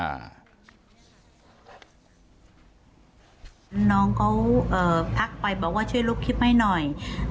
น้องเขาทักไปบอกว่าช่วยลบคลิปให้หน่อย